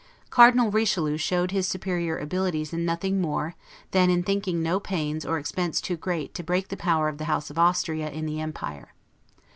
Cardinal Richelieu showed his superior abilities in nothing more, than in thinking no pains or expense too great to break the power of the House of Austria in the empire.